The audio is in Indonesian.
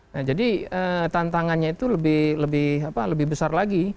nah jadi tantangannya itu lebih besar lagi